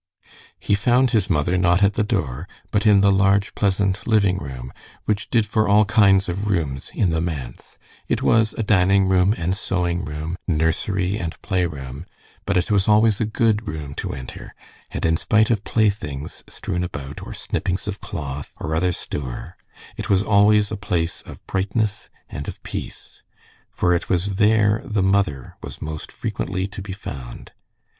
He found his mother, not at the door, but in the large, pleasant living room, which did for all kinds of rooms in the manse. It was dining room and sewing room, nursery and playroom, but it was always a good room to enter, and in spite of playthings strewn about, or snippings of cloth, or other stour, it was always a place of brightness and of peace, for it was there the mother was most frequently to be found.